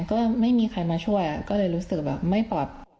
ก็ไม่มีใครมาช่วยก็เลยรู้สึกไม่ปรับ